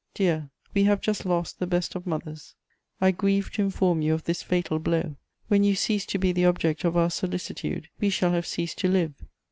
"Dear, we have just lost the best of mothers: I grieve to inform you of this fatal blow. When you cease to be the object of our solicitude, we shall have ceased to live.